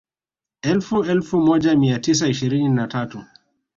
Elfu elfu moja mia tisa ishirini na tatu